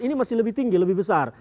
ini masih lebih tinggi lebih besar